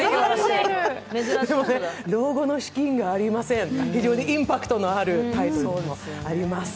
「老後の資金がありません！」、非常にインパクトのタイトルでもあります。